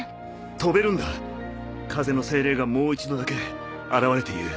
飛べるんだ風の精霊がもう一度だけ現れて言う。